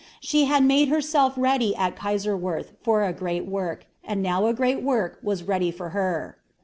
She had made herself ready at Kaiserwerth for a great work, and now a great work was ready for her.